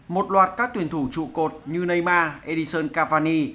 một loạt các tuyển thủ trụ cột như neyma edison cavani